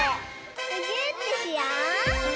むぎゅーってしよう！